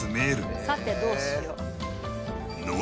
「さてどうしよう？」